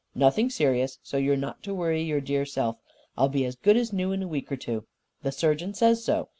Nothing serious so you're not to worry your dear self. I'll be as good as new in a week or two. The surgeon says so.